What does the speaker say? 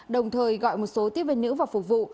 đồng thời gọi một số tiếp viên nữ vào phục vụ